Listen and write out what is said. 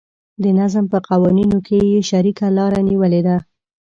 د نظم په قوانینو کې یې شریکه لاره نیولې ده.